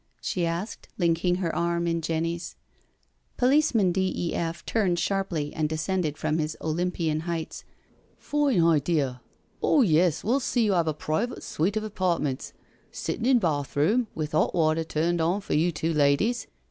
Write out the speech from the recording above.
she asked, linking her arm in Jenny's, Policeman D. E. F. turned sharply and descended from his Olympian heights. "Fine hideal Oh yes, we'll see you 'ave a private suite of happartments — sittin' and bath room with 'ot water turned on for you two ladies."